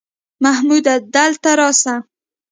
محموده دلته راسه!